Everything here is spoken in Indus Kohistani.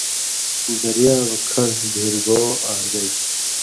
دریاب، کھڑہۡ، ڈھیرگو آں گئ